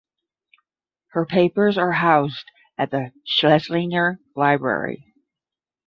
Her papers are housed at the Schlesinger Library.